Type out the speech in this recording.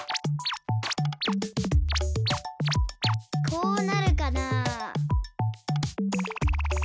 こうなるかなあ。